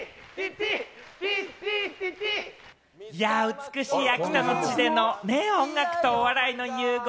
美しい秋田の地での音楽とお笑いの融合。